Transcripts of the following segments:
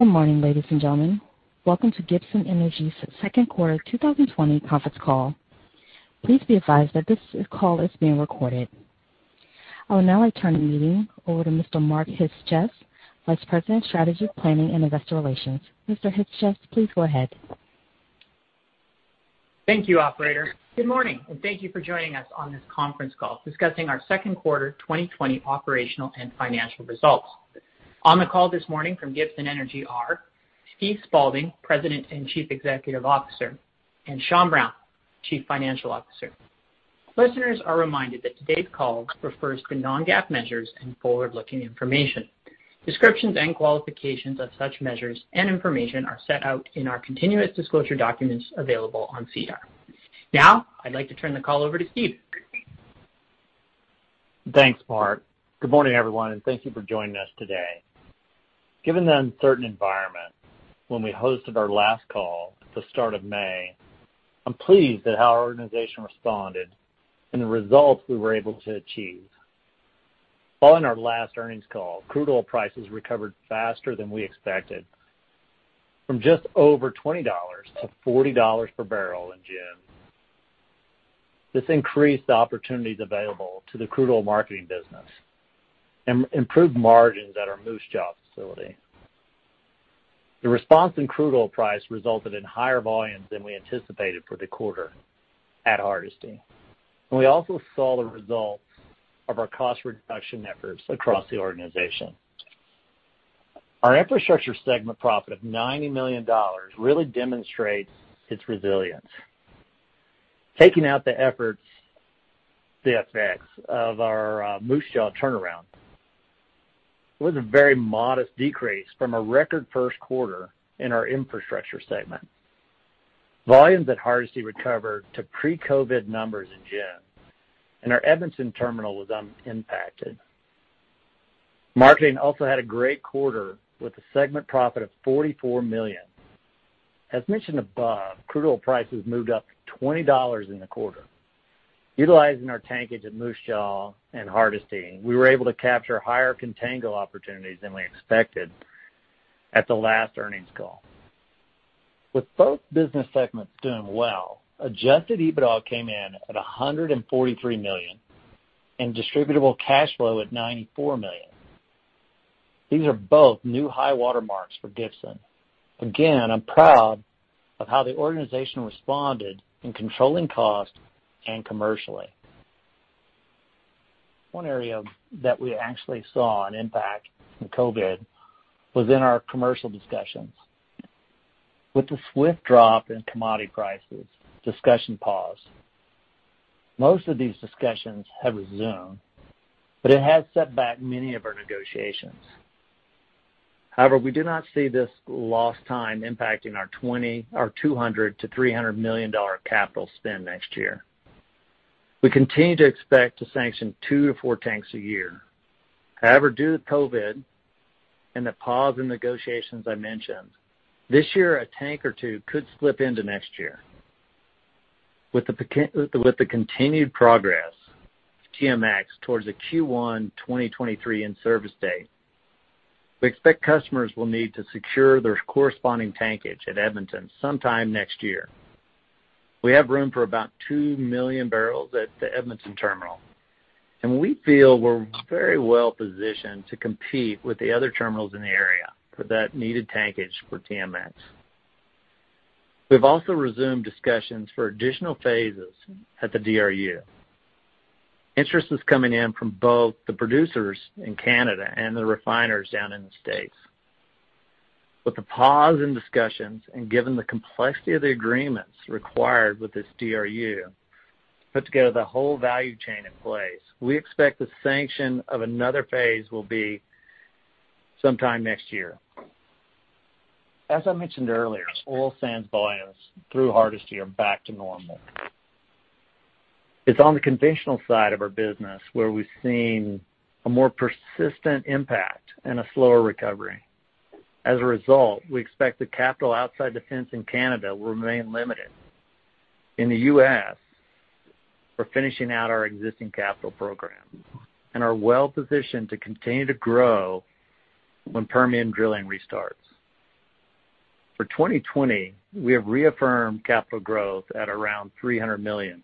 Good morning, ladies and gentlemen. Welcome to Gibson Energy's second quarter 2020 conference call. Please be advised that this call is being recorded. I would now like to turn the meeting over to Mr. Mark Chyc-Cies, Vice President of Strategy, Planning & Investor Relations. Mr. Chyc-Cies, please go ahead. Thank you, operator. Good morning, and thank you for joining us on this conference call discussing our second quarter 2020 operational and financial results. On the call this morning from Gibson Energy are Steve Spaulding, President and Chief Executive Officer, and Sean Brown, Chief Financial Officer. Listeners are reminded that today's call refers to non-GAAP measures and forward-looking information. Descriptions and qualifications of such measures and information are set out in our continuous disclosure documents available on SEDAR. Now, I'd like to turn the call over to Steve. Thanks, Mark. Good morning, everyone, and thank you for joining us today. Given the uncertain environment when we hosted our last call at the start of May, I'm pleased at how our organization responded and the results we were able to achieve. Following our last earnings call, crude oil prices recovered faster than we expected, from just over 20 dollars to 40 dollars per barrel in June. This increased the opportunities available to the crude oil marketing business and improved margins at our Moose Jaw facility. The response in crude oil price resulted in higher volumes than we anticipated for the quarter at Hardisty, and we also saw the results of our cost reduction efforts across the organization. Our infrastructure segment profit of 90 million dollars really demonstrates its resilience. Taking out the effects of our Moose Jaw turnaround, it was a very modest decrease from a record first quarter in our infrastructure segment. Volumes at Hardisty recovered to pre-COVID numbers in June, and our Edmonton terminal was unimpacted. Marketing also had a great quarter, with a segment profit of 44 million. As mentioned above, crude oil prices moved up 20 dollars in the quarter. Utilizing our tankage at Moose Jaw and Hardisty, we were able to capture higher contango opportunities than we expected at the last earnings call. With both business segments doing well, adjusted EBITDA came in at 143 million and distributable cash flow at 94 million. These are both new high water marks for Gibson. Again, I'm proud of how the organization responded in controlling cost and commercially. One area that we actually saw an impact from COVID was in our commercial discussions. With the swift drop in commodity prices, discussion paused. Most of these discussions have resumed, it has set back many of our negotiations. However, we do not see this lost time impacting our 200 million-300 million dollar capital spend next year. We continue to expect to sanction two to four tanks a year. However, due to COVID and the pause in negotiations I mentioned, this year, a tank or two could slip into next year. With the continued progress of TMX towards a Q1 2023 in-service date, we expect customers will need to secure their corresponding tankage at Edmonton sometime next year. We have room for about 2 million barrels at the Edmonton terminal, and we feel we're very well positioned to compete with the other terminals in the area for that needed tankage for TMX. We've also resumed discussions for additional phases at the DRU. Interest is coming in from both the producers in Canada and the refiners down in the U.S. With the pause in discussions and given the complexity of the agreements required with this DRU to put together the whole value chain in place, we expect the sanction of another phase will be sometime next year. As I mentioned earlier, oil sands volumes through Hardisty are back to normal. It's on the conventional side of our business where we've seen a more persistent impact and a slower recovery. As a result, we expect the capital outside the fence in Canada will remain limited. In the U.S., we're finishing out our existing capital program and are well positioned to continue to grow when Permian drilling restarts. For 2020, we have reaffirmed capital growth at around 300 million.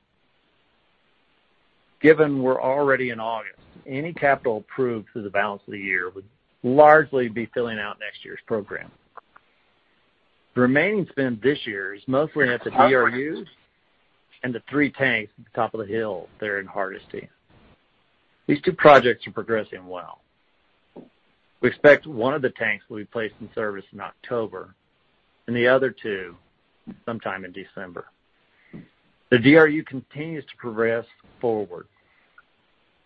Given we're already in August, any capital approved through the balance of the year would largely be filling out next year's program. The remaining spend this year is mostly at the DRUs and the three tanks at the top of the hill there in Hardisty. These two projects are progressing well. We expect one of the tanks will be placed in service in October, and the other two sometime in December. The DRU continues to progress forward,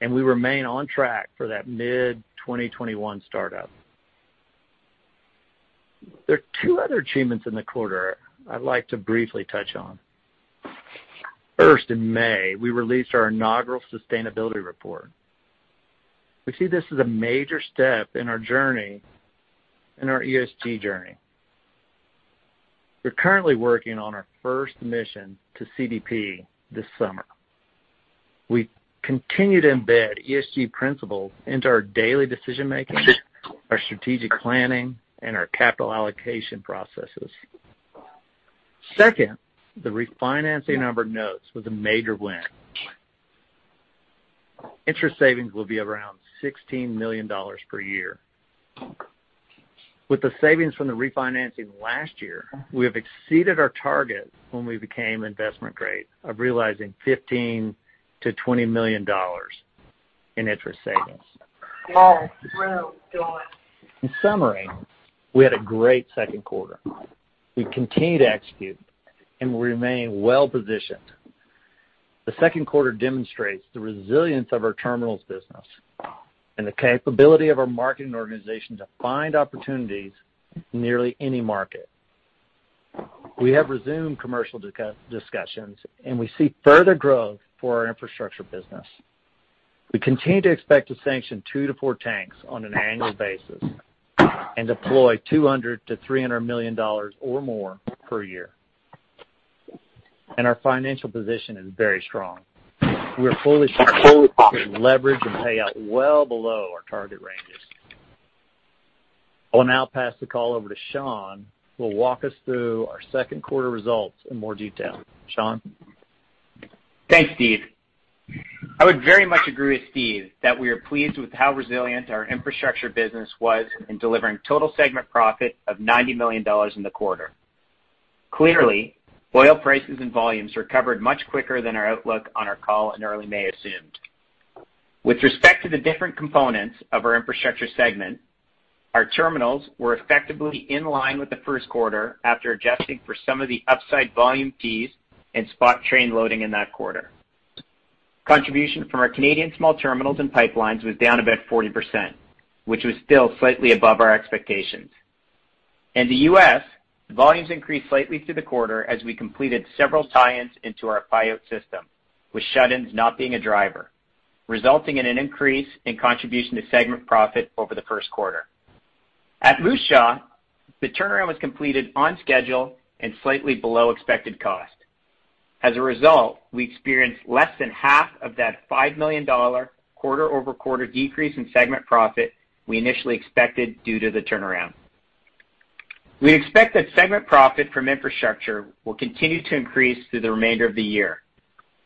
and we remain on track for that mid-2021 startup. There are two other achievements in the quarter I'd like to briefly touch on. First, in May, we released our inaugural sustainability report. We see this as a major step in our ESG journey. We're currently working on our first mission to CDP this summer. We continue to embed ESG principles into our daily decision-making, our strategic planning, and our capital allocation processes. Second, the refinancing of our notes was a major win. Interest savings will be around 16 million dollars per year. With the savings from the refinancing last year, we have exceeded our target when we became investment grade of realizing 15 million-20 million dollars in interest savings. In summary, we had a great second quarter. We continue to execute and remain well-positioned. The second quarter demonstrates the resilience of our terminals business and the capability of our marketing organization to find opportunities in nearly any market. We have resumed commercial discussions, and we see further growth for our infrastructure business. We continue to expect to sanction two to four tanks on an annual basis and deploy 200 million-300 million dollars or more per year. Our financial position is very strong. We are fully comfortable with leverage and payout well below our target ranges. I will now pass the call over to Sean, who will walk us through our second quarter results in more detail. Sean? Thanks, Steve. I would very much agree with Steve that we are pleased with how resilient our infrastructure business was in delivering total segment profit of 90 million dollars in the quarter. Clearly, oil prices and volumes recovered much quicker than our outlook on our call in early May assumed. With respect to the different components of our infrastructure segment, our terminals were effectively in line with the first quarter after adjusting for some of the upside volume fees and spot train loading in that quarter. Contribution from our Canadian small terminals and pipelines was down about 40%, which was still slightly above our expectations. In the U.S., volumes increased slightly through the quarter as we completed several tie-ins into our Pyote system, with shut-ins not being a driver, resulting in an increase in contribution to segment profit over the first quarter. At Moose Jaw, the turnaround was completed on schedule and slightly below expected cost. As a result, we experienced less than half of that 5 million dollar quarter-over-quarter decrease in segment profit we initially expected due to the turnaround. We expect that segment profit from infrastructure will continue to increase through the remainder of the year,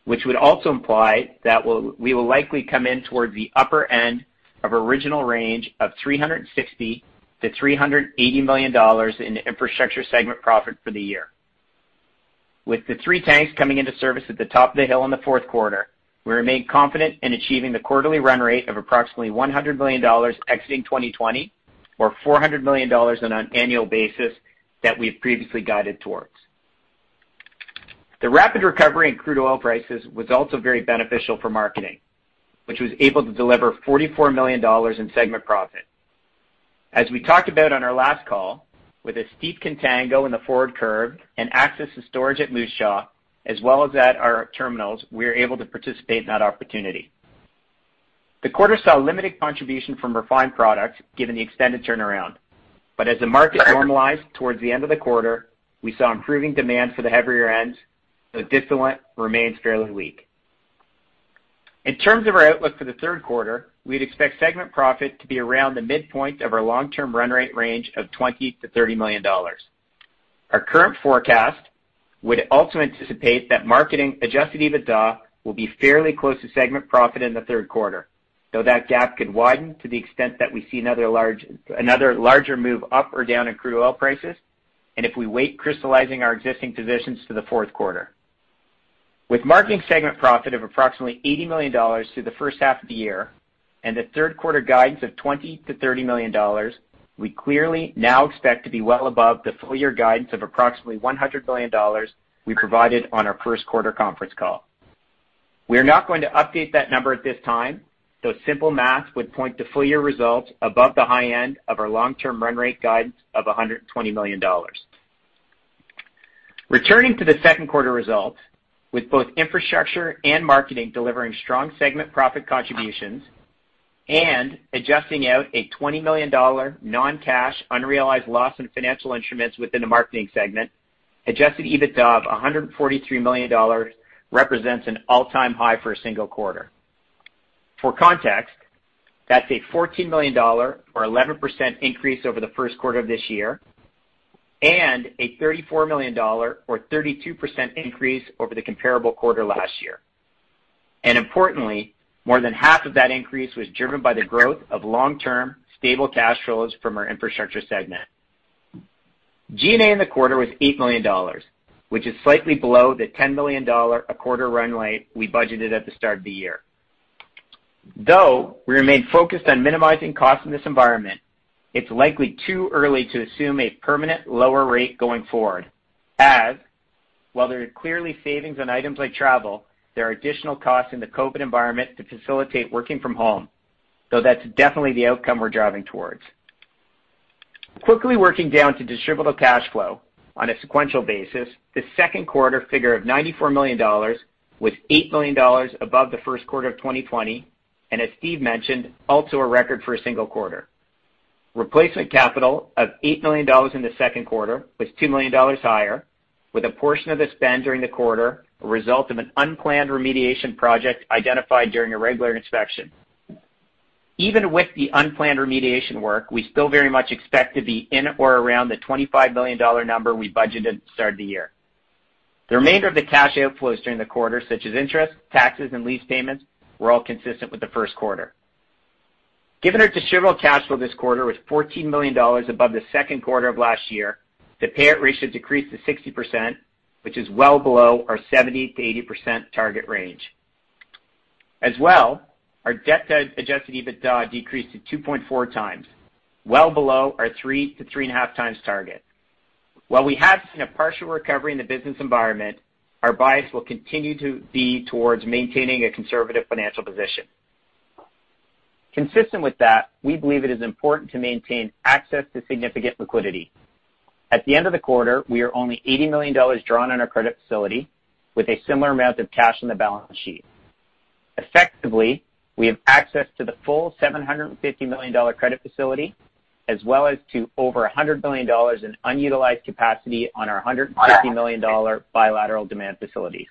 which would also imply that we will likely come in toward the upper end of original range of 360 million-380 million dollars in infrastructure segment profit for the year. With the three tanks coming into service at the top of the hill in the fourth quarter, we remain confident in achieving the quarterly run rate of approximately 100 million dollars exiting 2020 or 400 million dollars on an annual basis that we've previously guided towards. The rapid recovery in crude oil prices was also very beneficial for marketing, which was able to deliver 44 million dollars in segment profit. As we talked about on our last call, with a steep contango in the forward curve and access to storage at Moose Jaw, as well as at our terminals, we are able to participate in that opportunity. The quarter saw limited contribution from refined products, given the extended turnaround. As the market normalized towards the end of the quarter, we saw improving demand for the heavier ends, though distillate remains fairly weak. In terms of our outlook for the third quarter, we'd expect segment profit to be around the midpoint of our long-term run rate range of 20 million-30 million dollars. Our current forecast would also anticipate that marketing adjusted EBITDA will be fairly close to segment profit in the third quarter, though that gap could widen to the extent that we see another larger move up or down in crude oil prices, and if we wait crystallizing our existing positions to the fourth quarter. With marketing segment profit of approximately 80 million dollars through the first half of the year and the third quarter guidance of 20 million-30 million dollars, we clearly now expect to be well above the full-year guidance of approximately 100 million dollars we provided on our first quarter conference call. We are not going to update that number at this time, though simple math would point to full-year results above the high end of our long-term run rate guidance of 120 million dollars. Returning to the second quarter results, with both infrastructure and marketing delivering strong segment profit contributions and adjusting out a 20 million dollar non-cash unrealized loss in financial instruments within the marketing segment, adjusted EBITDA of 143 million dollars represents an all-time high for a single quarter. For context, that's a 14 million dollar or 11% increase over the first quarter of this year and a 34 million dollar or 32% increase over the comparable quarter last year. Importantly, more than half of that increase was driven by the growth of long-term, stable cash flows from our infrastructure segment. G&A in the quarter was 8 million dollars, which is slightly below the 10 million dollar a quarter run rate we budgeted at the start of the year. Though we remain focused on minimizing costs in this environment, it's likely too early to assume a permanent lower rate going forward, as while there are clearly savings on items like travel, there are additional costs in the COVID environment to facilitate working from home, though that's definitely the outcome we're driving towards. Quickly working down to distributable cash flow on a sequential basis, the second quarter figure of 94 million dollars was 8 million dollars above the first quarter of 2020. As Steve mentioned, also a record for a single quarter. Replacement capital of 8 million dollars in the second quarter was 2 million dollars higher, with a portion of the spend during the quarter a result of an unplanned remediation project identified during a regular inspection. Even with the unplanned remediation work, we still very much expect to be in or around the 25 million dollar number we budgeted at the start of the year. The remainder of the cash outflows during the quarter, such as interest, taxes, and lease payments, were all consistent with the first quarter. Given our distributable cash flow this quarter was 14 million dollars above the second quarter of last year, the payout ratio decreased to 60%, which is well below our 70%-80% target range. Our debt-adjusted EBITDA decreased to 2.4x, well below our 3x-3.5x target. While we have seen a partial recovery in the business environment, our bias will continue to be towards maintaining a conservative financial position. Consistent with that, we believe it is important to maintain access to significant liquidity. At the end of the quarter, we are only 80 million dollars drawn on our credit facility with a similar amount of cash on the balance sheet. Effectively, we have access to the full 750 million dollar credit facility as well as to over 100 million dollars in unutilized capacity on our 150 million dollar bilateral demand facilities.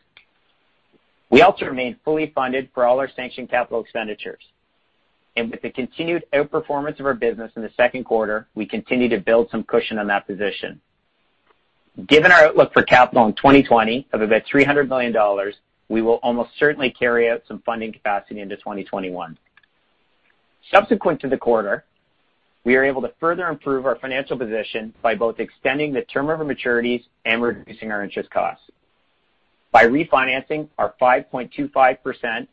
We also remain fully funded for all our sanctioned capital expenditures. With the continued outperformance of our business in the second quarter, we continue to build some cushion on that position. Given our outlook for capital in 2020 of about 300 million dollars, we will almost certainly carry out some funding capacity into 2021. Subsequent to the quarter, we are able to further improve our financial position by both extending the term of our maturities and reducing our interest costs. By refinancing our 5.25%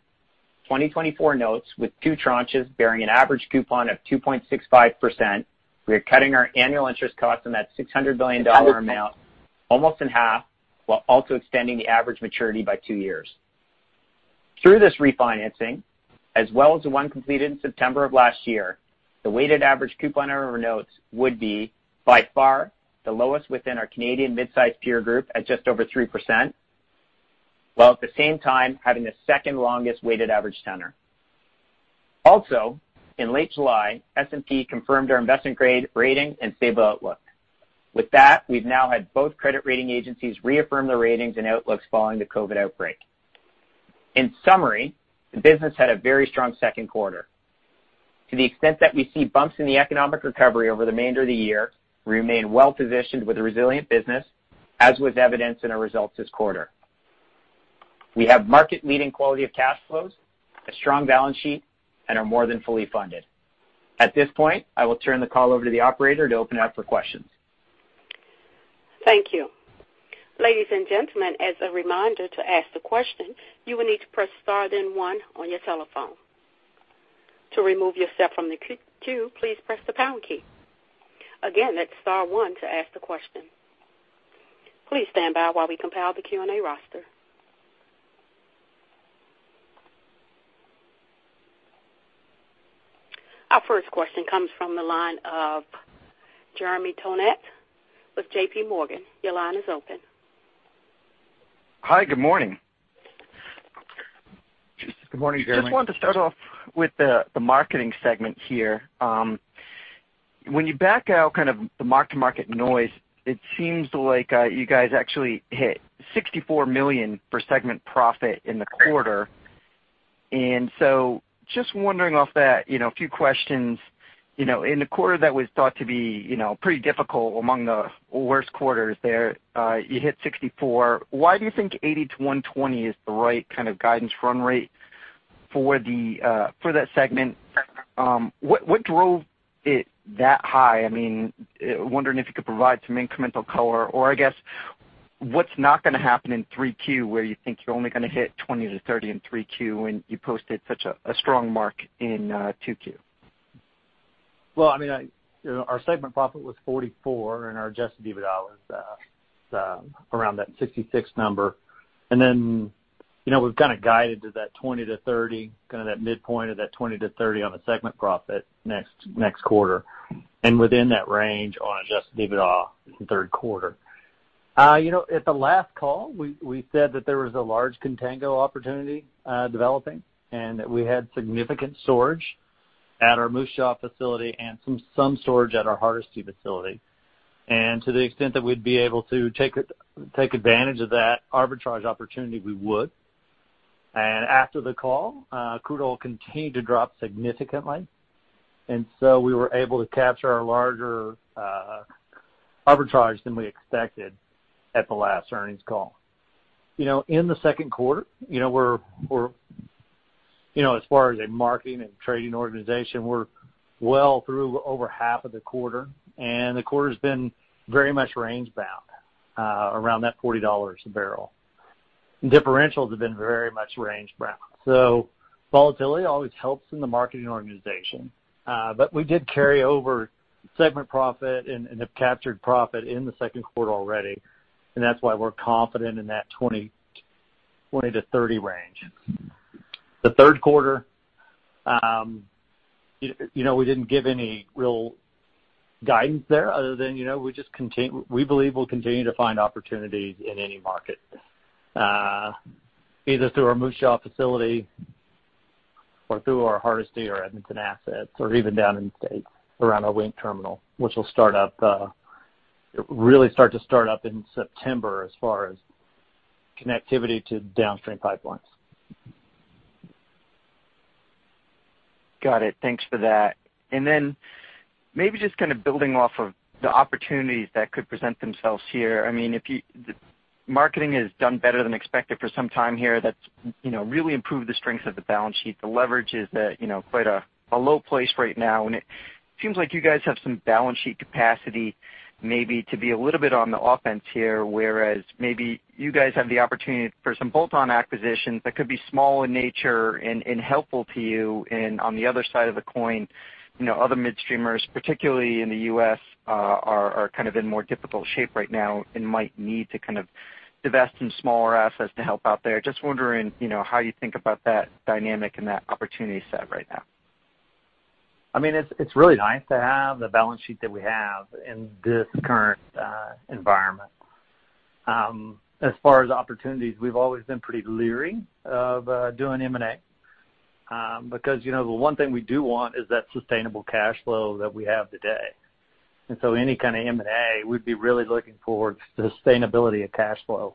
2024 notes with two tranches bearing an average coupon of 2.65%, we are cutting our annual interest cost on that 600 million dollar amount almost in half while also extending the average maturity by two years. Through this refinancing, as well as the one completed in September of last year, the weighted average coupon on our notes would be by far the lowest within our Canadian mid-size peer group at just over 3%, while at the same time having the second longest weighted average tenor. In late July, S&P confirmed our investment grade rating and stable outlook. With that, we've now had both credit rating agencies reaffirm their ratings and outlooks following the COVID outbreak. In summary, the business had a very strong second quarter. To the extent that we see bumps in the economic recovery over the remainder of the year, we remain well-positioned with a resilient business, as was evidenced in our results this quarter. We have market-leading quality of cash flows, a strong balance sheet, and are more than fully funded. At this point, I will turn the call over to the operator to open it up for questions. Thank you. Ladies and gentlemen, as a reminder, to ask the question, you will need to press star then one on your telephone. To remove yourself from the queue, please press the pound key. Again, that's star one to ask the question. Please stand by while we compile the Q&A roster. Our first question comes from the line of Jeremy Tonet with JPMorgan. Your line is open. Hi, good morning. Good morning, Jeremy. Just wanted to start off with the marketing segment here. When you back out kind of the mark-to-market noise, it seems like you guys actually hit 64 million for segment profit in the quarter. Just wondering off that, a few questions. In the quarter that was thought to be pretty difficult among the worst quarters there, you hit 64 million. Why do you think 80 million-120 million is the right kind of guidance run rate for that segment? What drove it that high? I'm wondering if you could provide some incremental color, or I guess, what's not going to happen in 3Q where you think you're only going to hit 20 million-30 million in 3Q when you posted such a strong mark in 2Q? Well, our segment profit was 44 million, and our adjusted EBITDA was around that 66 million number. Then we've kind of guided to that 20 million-30 million, kind of that midpoint of that 20 million-30 million on the segment profit next quarter, and within that range on adjusted EBITDA in the third quarter. At the last call, we said that there was a large contango opportunity developing, and that we had significant storage at our Moose Jaw facility and some storage at our Hardisty facility. To the extent that we'd be able to take advantage of that arbitrage opportunity, we would. After the call, crude oil continued to drop significantly, and so we were able to capture a larger arbitrage than we expected at the last earnings call. In the second quarter, as far as a marketing and trading organization, we're well through over half of the quarter. The quarter's been very much range-bound around that 40 dollars a barrel. Differentials have been very much range-bound. Volatility always helps in the marketing organization. We did carry over segment profit and have captured profit in the second quarter already. That's why we're confident in that 20 million-30 million range. The third quarter, we didn't give any real guidance there other than we believe we'll continue to find opportunities in any market, either through our Moose Jaw facility or through our Hardisty or Edmonton assets, or even down in the U.S. around our Wink terminal, which will really start to start up in September as far as connectivity to downstream pipelines. Got it. Thanks for that. Maybe just kind of building off of the opportunities that could present themselves here. Marketing has done better than expected for some time here. That's really improved the strength of the balance sheet. The leverage is at quite a low place right now, and it seems like you guys have some balance sheet capacity, maybe to be a little bit on the offense here, whereas maybe you guys have the opportunity for some bolt-on acquisitions that could be small in nature and helpful to you. On the other side of the coin, other mid-streamers, particularly in the U.S., are in more difficult shape right now and might need to divest some smaller assets to help out there. Just wondering how you think about that dynamic and that opportunity set right now. It's really nice to have the balance sheet that we have in this current environment. As far as opportunities, we've always been pretty leery of doing M&A. The one thing we do want is that sustainable cash flow that we have today. Any kind of M&A, we'd be really looking for sustainability of cash flow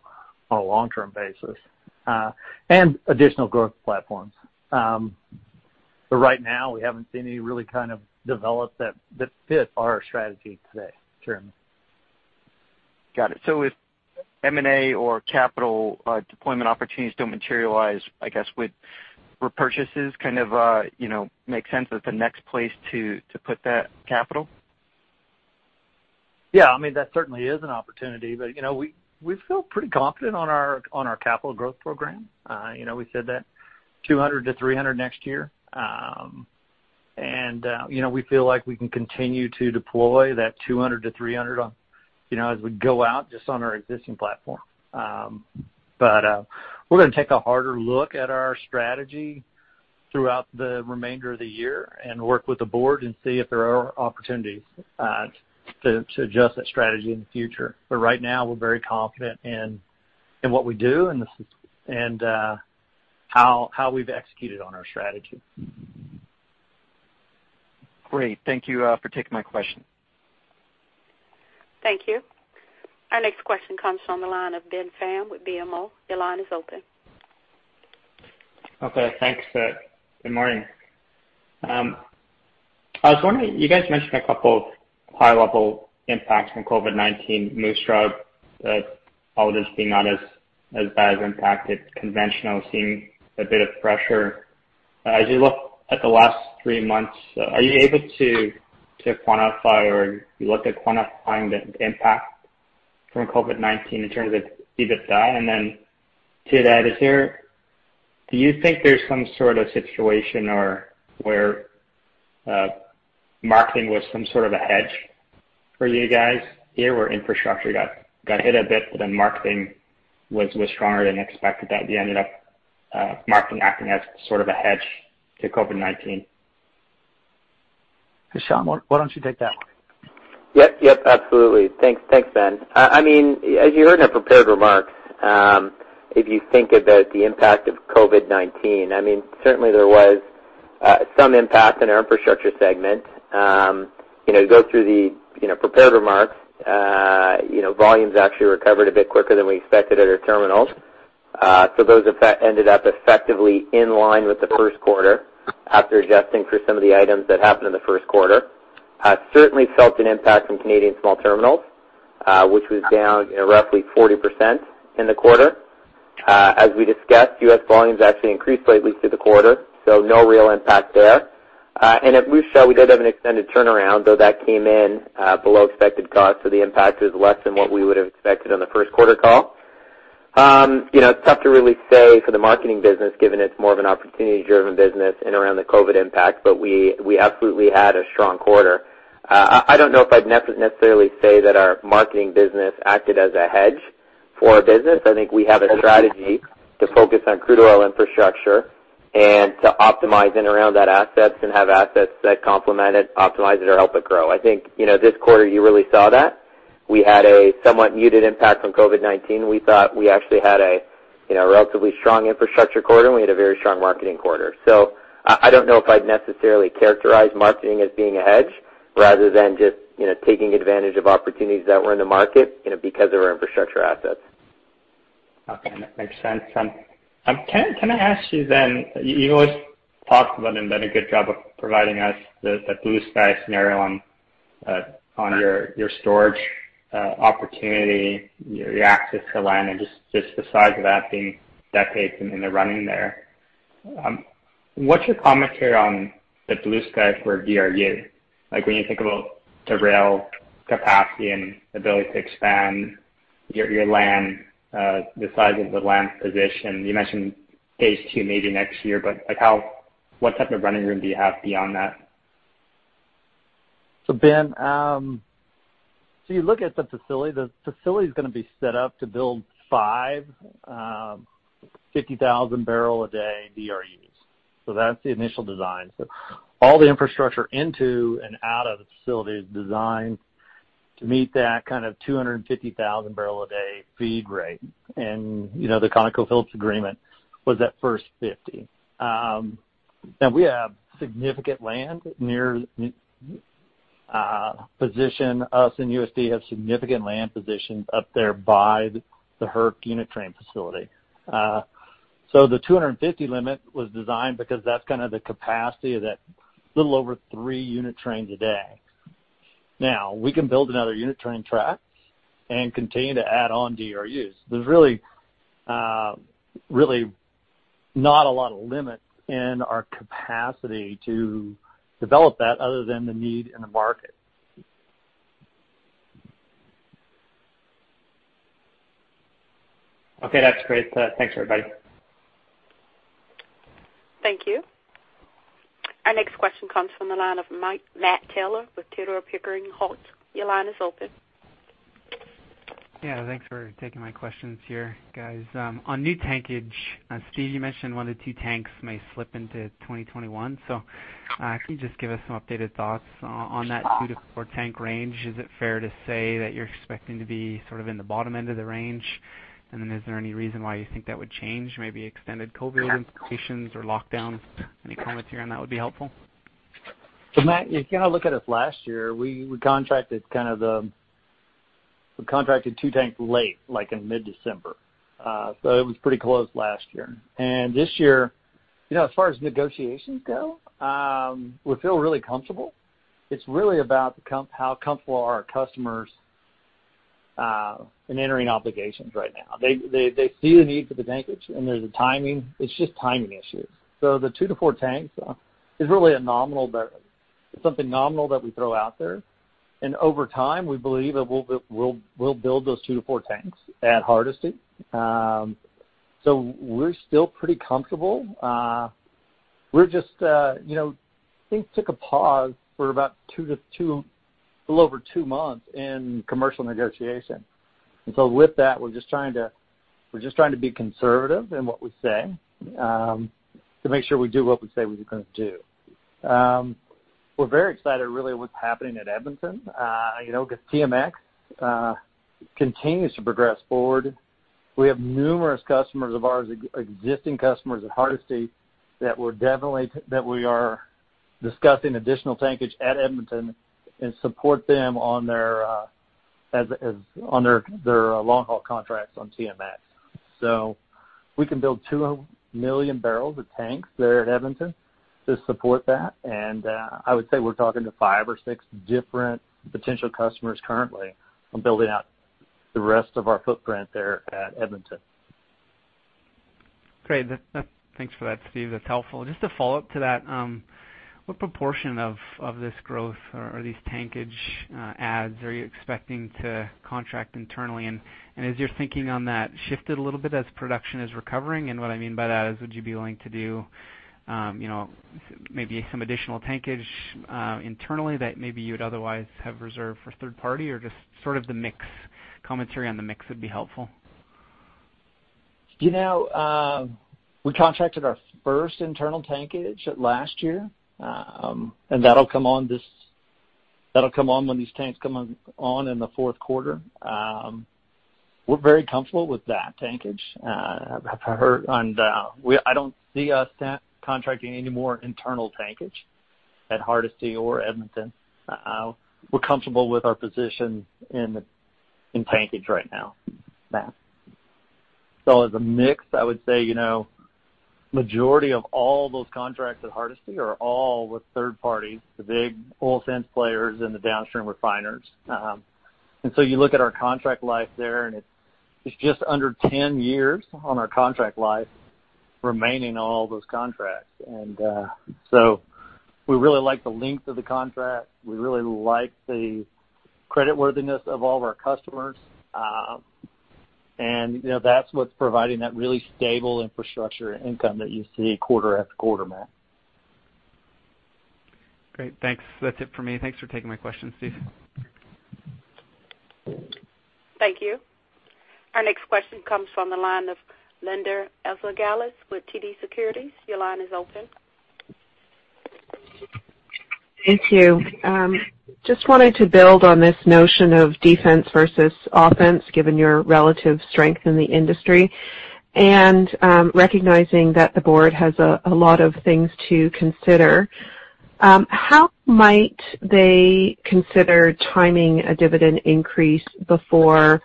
on a long-term basis, and additional growth platforms. Right now, we haven't seen any really kind of develop that fit our strategy today, Jeremy. Got it. If M&A or capital deployment opportunities don't materialize, I guess would repurchases kind of make sense as the next place to put that capital? Yeah, that certainly is an opportunity. We feel pretty confident on our capital growth program. We said that 200 million-300 million next year. We feel like we can continue to deploy that 200 million-300 million as we go out just on our existing platform. We're going to take a harder look at our strategy throughout the remainder of the year and work with the board and see if there are opportunities to adjust that strategy in the future. Right now, we're very confident in what we do and how we've executed on our strategy. Great. Thank you for taking my question. Thank you. Our next question comes from the line of Ben Pham with BMO. Your line is open. Okay, thanks. Good morning. I was wondering, you guys mentioned a couple of high-level impacts from COVID-19. Moose Jaw, all of this being not as bad as impacted. Conventional seeing a bit of pressure. As you look at the last three months, are you able to quantify or you looked at quantifying the impact from COVID-19 in terms of EBITDA? To that, do you think there's some sort of situation or where marketing was some sort of a hedge for you guys here, where infrastructure got hit a bit, but then marketing was stronger than expected, that you ended up marketing acting as sort of a hedge to COVID-19? Sean, why don't you take that one? Yep, absolutely. Thanks, Ben. As you heard in our prepared remarks, if you think about the impact of COVID-19, certainly there was some impact in our infrastructure segment. Go through the prepared remarks. Volumes actually recovered a bit quicker than we expected at our terminals. Those ended up effectively in line with the first quarter after adjusting for some of the items that happened in the first quarter. Certainly felt an impact from Canadian small terminals, which was down roughly 40% in the quarter. As we discussed, U.S. volumes actually increased slightly through the quarter, so no real impact there. At Moose Jaw, we did have an extended turnaround, though that came in below expected cost, so the impact is less than what we would've expected on the first quarter call. It's tough to really say for the marketing business, given it's more of an opportunity-driven business and around the COVID impact, but we absolutely had a strong quarter. I don't know if I'd necessarily say that our marketing business acted as a hedge for our business. I think we have a strategy to focus on crude oil infrastructure and to optimize in around that assets and have assets that complement it, optimize it, or help it grow. I think this quarter you really saw that. We had a somewhat muted impact from COVID-19. We thought we actually had a relatively strong infrastructure quarter, and we had a very strong marketing quarter. I don't know if I'd necessarily characterize marketing as being a hedge rather than just taking advantage of opportunities that were in the market because of our infrastructure assets. Okay. That makes sense. Can I ask you've always talked about and done a good job of providing us the blue sky scenario on your storage opportunity, your access to land, and just the size of that being decades and the running there. What's your commentary on the blue sky for DRU? Like when you think about the rail capacity and ability to expand your land, the size of the land position. You mentioned phase II maybe next year, what type of running room do you have beyond that? Ben, you look at the facility, the facility is going to be set up to build five 50,000 barrel a day DRUs. That's the initial design. All the infrastructure into and out of the facility is designed to meet that kind of 250,000 barrel a day feed rate. The ConocoPhillips agreement was at first 50,000. We have significant land and USD have significant land positions up there by the [Hardisty] unit train facility. The 250 limit was designed because that's kind of the capacity of that little over three unit trains a day. We can build another unit train track and continue to add on DRUs. There's really not a lot of limits in our capacity to develop that other than the need in the market. Okay, that's great. Thanks, everybody. Thank you. Our next question comes from the line of Matt Taylor with Tudor, Pickering, Holt. Your line is open. Yeah, thanks for taking my questions here, guys. On new tankage, Steve, you mentioned one of the two tanks may slip into 2021. Can you just give us some updated thoughts on that two to four tank range? Is it fair to say that you're expecting to be sort of in the bottom end of the range? Is there any reason why you think that would change, maybe extended COVID implications or lockdown? Any comments here on that would be helpful. Matt, if you kind of look at us last year, we contracted two tanks late, like in mid-December. It was pretty close last year. This year, as far as negotiations go, we feel really comfortable. It's really about how comfortable are our customers in entering obligations right now. They see the need for the tankage, and there's a timing. It's just timing issues. The two to four tanks is really something nominal that we throw out there, and over time, we believe that we'll build those two to four tanks at Hardisty. We're still pretty comfortable. Things took a pause for about little over two months in commercial negotiation. With that, we're just trying to be conservative in what we say, to make sure we do what we say we were going to do. We're very excited really what's happening at Edmonton because TMX continues to progress forward. We have numerous customers of ours, existing customers at Hardisty, that we are discussing additional tankage at Edmonton and support them on their long-haul contracts on TMX. We can build 2 million barrels of tanks there at Edmonton to support that, and I would say we're talking to five or six different potential customers currently on building out the rest of our footprint there at Edmonton. Great. Thanks for that, Steve. That's helpful. Just a follow-up to that. What proportion of this growth or these tankage adds are you expecting to contract internally? Has your thinking on that shifted a little bit as production is recovering? What I mean by that is, would you be willing to do maybe some additional tankage internally that maybe you would otherwise have reserved for third party or just sort of the mix commentary on the mix would be helpful. We contracted our first internal tankage last year. That'll come on when these tanks come on in the fourth quarter. We're very comfortable with that tankage. I don't see us contracting any more internal tankage at Hardisty or Edmonton. We're comfortable with our position in tankage right now, Matt. As a mix, I would say, majority of all those contracts at Hardisty are all with third parties, the big oil sands players and the downstream refiners. You look at our contract life there, and it's just under 10 years on our contract life remaining on all those contracts. We really like the length of the contract. We really like the credit worthiness of all of our customers. That's what's providing that really stable infrastructure income that you see quarter after quarter, Matt. Great. Thanks. That's it for me. Thanks for taking my question, Steve. Thank you. Our next question comes from the line of Linda Ezergailis with TD Securities. Your line is open. Thank you. Just wanted to build on this notion of defense versus offense, given your relative strength in the industry, and recognizing that the board has a lot of things to consider. How might they consider timing a dividend increase before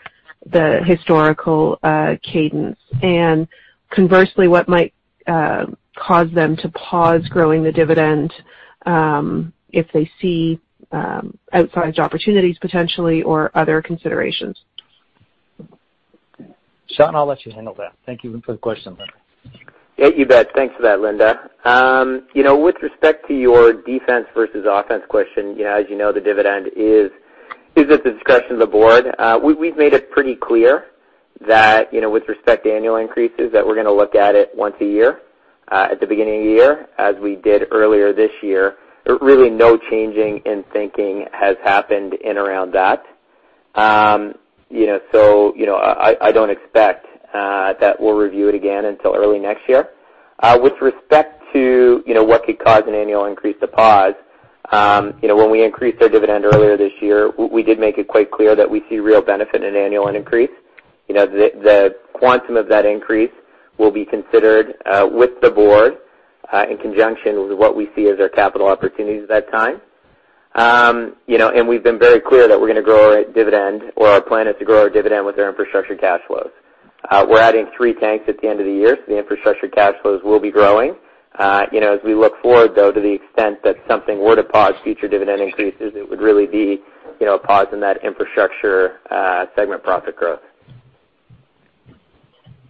the historical cadence? Conversely, what might cause them to pause growing the dividend if they see outsized opportunities potentially or other considerations? Sean, I'll let you handle that. Thank you for the question, Linda. Yeah, you bet. Thanks for that, Linda. With respect to your defense versus offense question, as you know, the dividend is at the discretion of the board. We've made it pretty clear that with respect to annual increases, that we're going to look at it once a year, at the beginning of the year, as we did earlier this year. Really, no changing in thinking has happened in around that. I don't expect that we'll review it again until early next year. With respect to what could cause an annual increase to pause, when we increased our dividend earlier this year, we did make it quite clear that we see real benefit in an annual increase. The quantum of that increase will be considered with the board, in conjunction with what we see as our capital opportunities at that time. We've been very clear that we're going to grow our dividend, or our plan is to grow our dividend with our infrastructure cash flows. We're adding three tanks at the end of the year, so the infrastructure cash flows will be growing. As we look forward, though, to the extent that something were to pause future dividend increases, it would really be a pause in that infrastructure segment profit growth.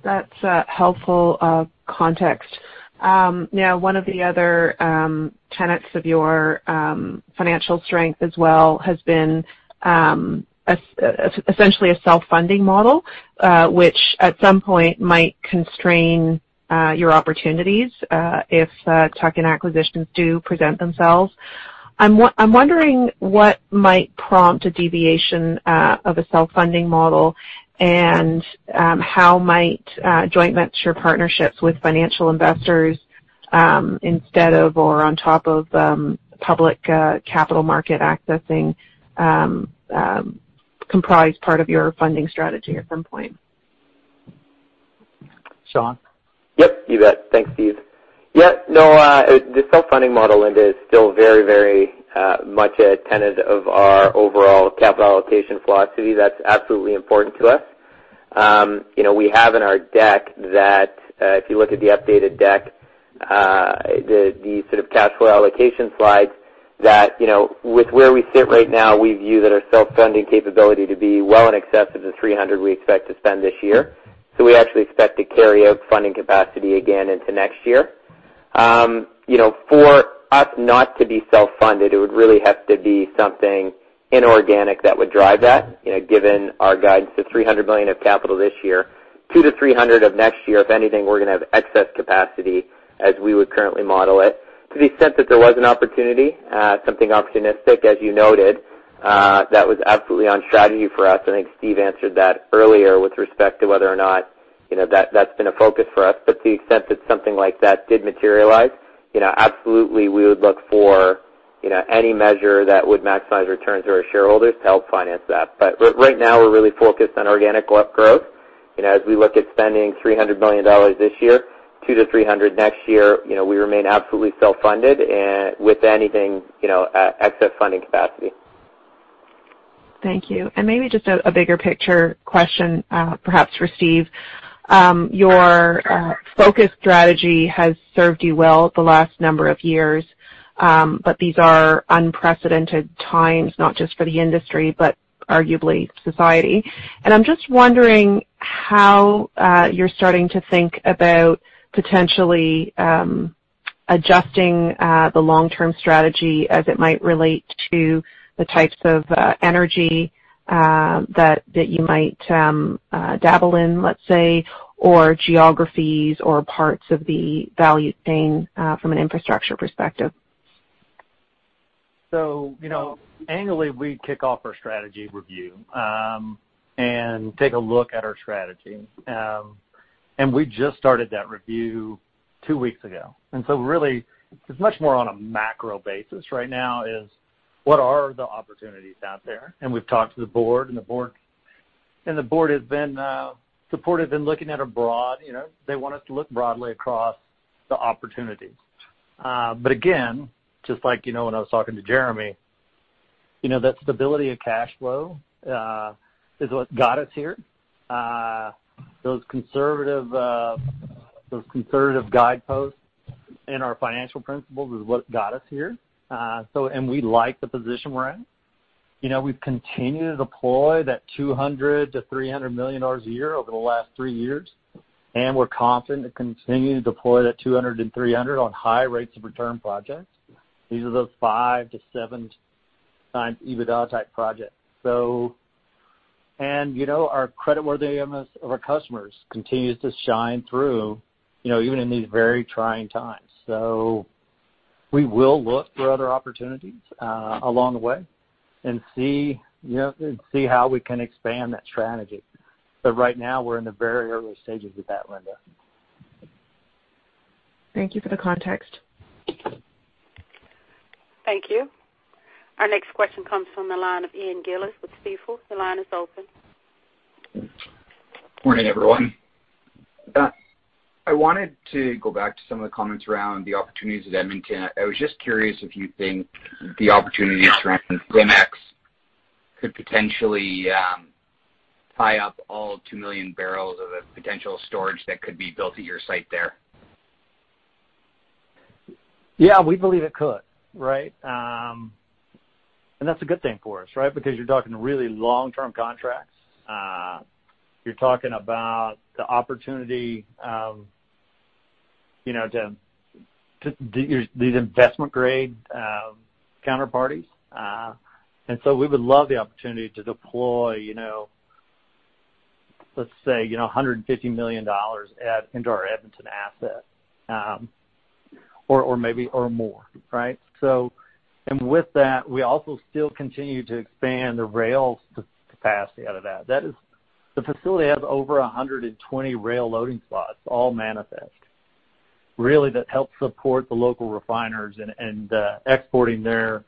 That's helpful context. One of the other tenets of your financial strength as well has been essentially a self-funding model which at some point might constrain your opportunities if tuck-in acquisitions do present themselves. I'm wondering what might prompt a deviation of a self-funding model and how might joint venture partnerships with financial investors, instead of or on top of public capital market accessing, comprise part of your funding strategy at some point? Sean? Yep, you bet. Thanks, Steve. The self-funding model, Linda, is still very much a tenet of our overall capital allocation philosophy. That's absolutely important to us. We have in our deck that, if you look at the updated deck, the sort of cash flow allocation slides, that with where we sit right now, we view that our self-funding capability to be well in excess of the 300 million we expect to spend this year. We actually expect to carry out funding capacity again into next year. For us not to be self-funded, it would really have to be something inorganic that would drive that, given our guidance of 300 million of capital this year. 200 million-300 million of next year, if anything, we're going to have excess capacity as we would currently model it. To the extent that there was an opportunity, something opportunistic, as you noted, that was absolutely on strategy for us. I think Steve answered that earlier with respect to whether or not that's been a focus for us. To the extent that something like that did materialize, absolutely we would look for any measure that would maximize returns to our shareholders to help finance that. Right now, we're really focused on organic growth. As we look at spending 300 million dollars this year, 200 million-300 million next year, we remain absolutely self-funded with anything excess funding capacity. Thank you. Maybe just a bigger picture question, perhaps for Steve. Your focus strategy has served you well the last number of years. These are unprecedented times, not just for the industry, but arguably society. I'm just wondering how you're starting to think about potentially adjusting the long-term strategy as it might relate to the types of energy that you might dabble in, let's say, or geographies or parts of the value chain from an infrastructure perspective. Annually, we kick off our strategy review and take a look at our strategy. We just started that review two weeks ago. Really, it's much more on a macro basis right now is what are the opportunities out there? We've talked to the board, and the board has been supportive in looking at a broad-- they want us to look broadly across the opportunities. Again, just like when I was talking to Jeremy, that stability of cash flow is what got us here. Those conservative guideposts and our financial principles is what got us here. We like the position we're in. We've continued to deploy that 200 million-300 million dollars a year over the last three years, and we're confident to continue to deploy that 200 million and 300 million on high rates of return projects. These are those 5x-7x times EBITDA type projects. Our creditworthiness of our customers continues to shine through, even in these very trying times. We will look for other opportunities along the way and see how we can expand that strategy. Right now, we're in the very early stages of that, Linda. Thank you for the context. Thank you. Our next question comes from the line of Ian Gillies with Stifel. Your line is open. Morning, everyone. I wanted to go back to some of the comments around the opportunities at Edmonton. I was just curious if you think the opportunities around [TMX] could potentially tie up all 2 million barrels of the potential storage that could be built at your site there. Yeah, we believe it could. Right? That's a good thing for us, right? Because you're talking really long-term contracts. You're talking about the opportunity to these investment grade counterparties. We would love the opportunity to deploy, let's say, 150 million dollars into our Edmonton asset, or more. Right? With that, we also still continue to expand the rail capacity out of that. The facility has over 120 rail loading slots, all manifest, really that help support the local refiners in exporting their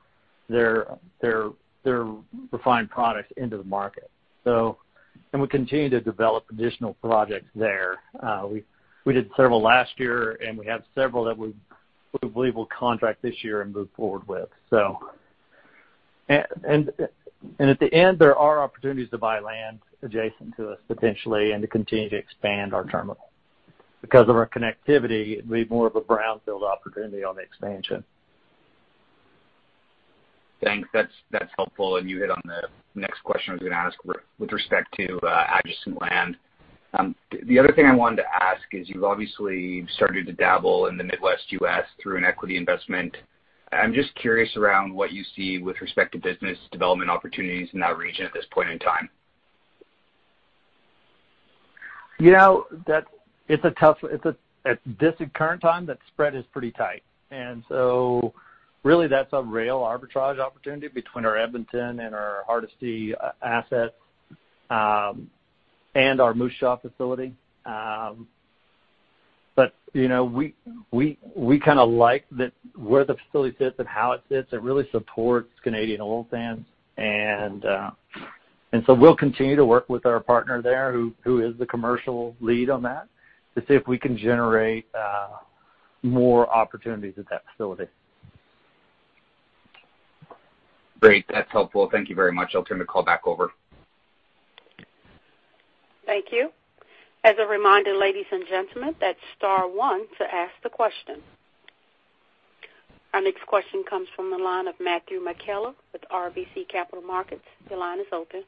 refined products into the market. We continue to develop additional projects there. We did several last year, and we have several that we believe we'll contract this year and move forward with. At the end, there are opportunities to buy land adjacent to us, potentially, and to continue to expand our terminal. Because of our connectivity, it'd be more of a brownfield opportunity on the expansion. Thanks. That's helpful. You hit on the next question I was going to ask with respect to adjacent land. The other thing I wanted to ask is, you've obviously started to dabble in the Midwest U.S. through an equity investment. I'm just curious around what you see with respect to business development opportunities in that region at this point in time. At this current time, that spread is pretty tight. Really that's a rail arbitrage opportunity between our Edmonton and our Hardisty assets, and our Moose Jaw facility. We kind of like where the facility sits and how it sits. It really supports Canadian oil sands. We'll continue to work with our partner there, who is the commercial lead on that, to see if we can generate more opportunities at that facility. Great. That's helpful. Thank you very much. I'll turn the call back over. Thank you. As a reminder, ladies and gentlemen, that is star one to ask the question. Our next question comes from the line of Matthew McKellar with RBC Capital Markets. Your line is open.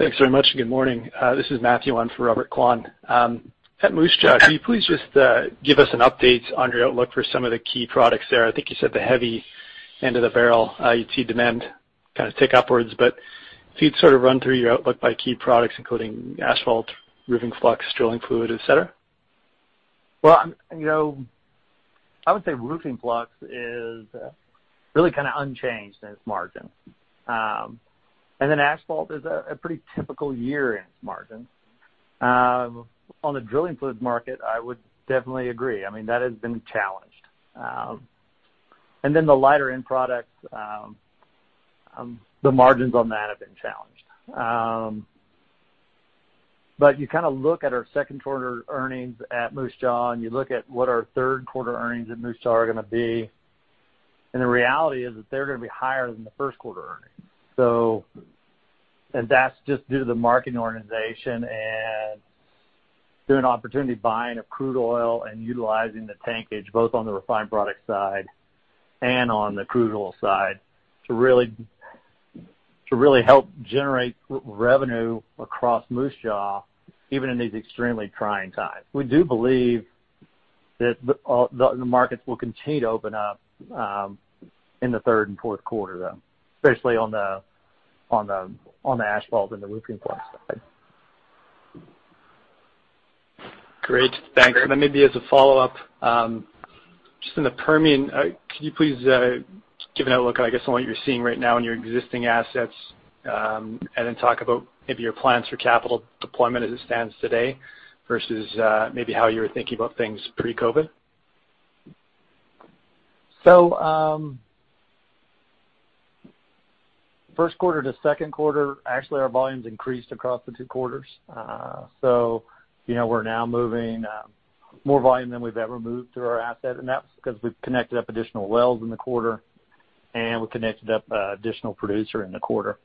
Thanks very much. Good morning. This is Matthew, on for Robert Kwan. At Moose Jaw, can you please just give us an update on your outlook for some of the key products there? I think you said the heavy end of the barrel, you'd see demand kind of tick upwards. If you'd sort of run through your outlook by key products including asphalt, roofing flux, drilling fluid, et cetera. Well, I would say roofing flux is really kind of unchanged in its margin. Asphalt is a pretty typical year in its margin. On the drilling fluid market, I would definitely agree. I mean, that has been challenged. The lighter end products, the margins on that have been challenged. You kind of look at our second quarter earnings at Moose Jaw, and you look at what our third quarter earnings at Moose Jaw are going to be, and the reality is that they're going to be higher than the first quarter earnings. That's just due to the marketing organization and doing opportunity buying of crude oil and utilizing the tankage, both on the refined product side and on the crude oil side, to really help generate revenue across Moose Jaw, even in these extremely trying times. We do believe that the markets will continue to open up in the third and fourth quarter, though, especially on the asphalt and the roofing flux side. Great. Thanks. Maybe as a follow-up, just in the Permian, could you please give an outlook on, I guess, on what you're seeing right now in your existing assets, and then talk about maybe your plans for capital deployment as it stands today versus maybe how you were thinking about things pre-COVID? First quarter to second quarter, actually, our volumes increased across the two quarters. We're now moving more volume than we've ever moved through our asset, and that's because we've connected up additional wells in the quarter, and we connected up an additional producer in the quarter.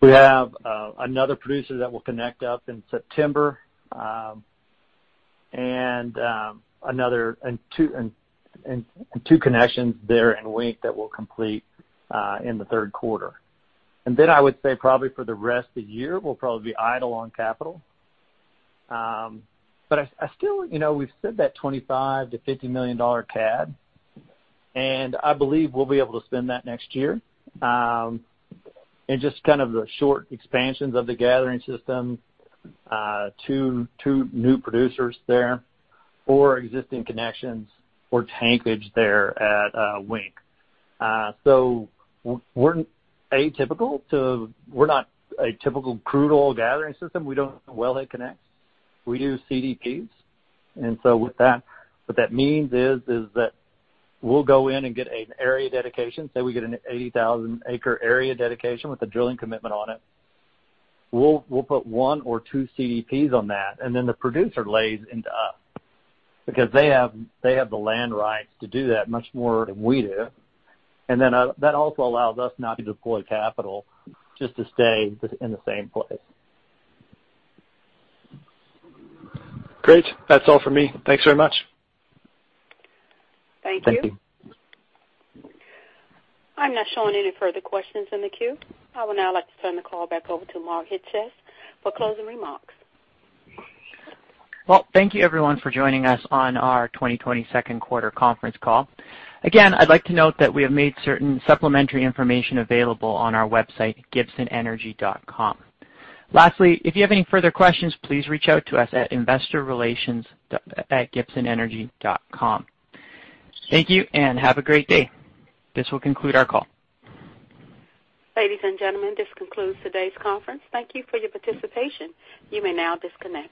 We have another producer that we'll connect up in September, and two connections there in Wink that we'll complete in the third quarter. I would say probably for the rest of the year, we'll probably be idle on capital. We've said that 25 million-50 million CAD, and I believe we'll be able to spend that next year. In just kind of the short expansions of the gathering system, two new producers there, or existing connections or tankage there at Wink. We're not a typical crude oil gathering system. We don't well head connect. We do CDPs. With that, what that means is that we'll go in and get an area dedication, say we get an 80,000 acres area dedication with a drilling commitment on it, we'll put one or two CDPs on that, and then the producer lays into us. Because they have the land rights to do that much more than we do. That also allows us not to deploy capital just to stay in the same place. Great. That's all from me. Thanks very much. Thank you. Thank you. I'm not showing any further questions in the queue. I would now like to turn the call back over to Mark Chyc-Cies for closing remarks. Well, thank you everyone for joining us on our 2020 second quarter conference call. Again, I'd like to note that we have made certain supplementary information available on our website, gibsonenergy.com. Lastly, if you have any further questions, please reach out to us at investorrelations@gibsonenergy.com. Thank you, and have a great day. This will conclude our call. Ladies and gentlemen, this concludes today's conference. Thank you for your participation. You may now disconnect.